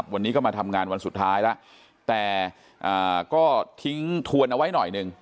วันนี้ก็มาทำงานวันสุดท้ายแล้วแต่ก็ทิ้งทวนเอาไว้หน่อยหนึ่ง